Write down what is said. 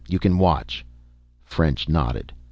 You can watch." French nodded.